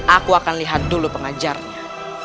aku akan lihat dulu pengajarnya